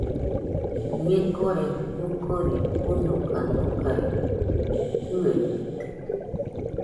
Ñekore mɨkori fɨnoka nokae fɨebite